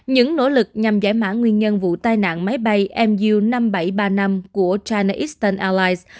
những nỗ lực nhằm giải mã nguyên nhân vụ tai nạn máy bay mu năm nghìn bảy trăm ba mươi năm của china eastern allies